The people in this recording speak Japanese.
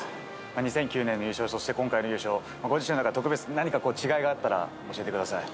２００９年の優勝、そして今回の優勝、ご自身の中で特別に何か違いがあったら、教えてください。